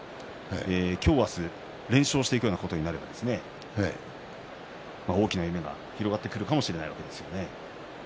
今日、明日連勝をしていくようなことになれば大きな夢が広がってくるかもしれないわけですよね。